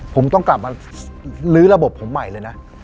ผมต้องกลับมาลื้อระบบผมใหม่เลยนะ